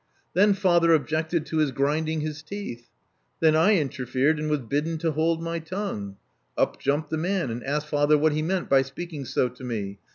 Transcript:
Then father objected to his grinding his teeth. Then I interfered and was bidden to hold my tongue. Up jumped the man and asked father what he meant by speaking so to me.